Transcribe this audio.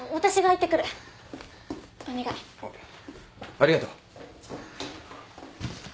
ありがとう。